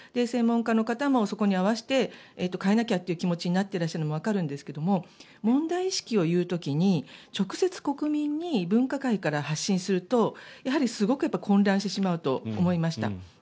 専門家の方もそこに合わせて変えなきゃという気持ちになっているのもわかるんですけれども問題意識を言う時に直接国民に分科会から発信するとやはり、すごく混乱してしまうと思いました。